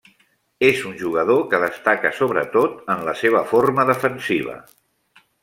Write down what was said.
És un jugador que destaca sobretot en la seva forma defensiva.